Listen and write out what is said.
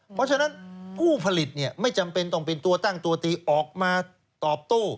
เพราะฉะนั้นผู้ผลิตไม่จำเป็นต้องเป็นตัวตั้งตัวตีออกมาตอบโต้